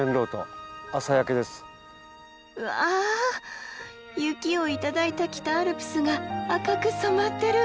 これがわあ雪を頂いた北アルプスが赤く染まってる！